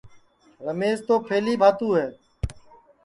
رمیش تو پَھلی بھاتو ہے